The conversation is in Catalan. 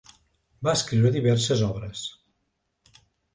Va escriure diverses obres.